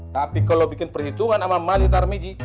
tapi kalau bikin perhitungan sama mali tarmiji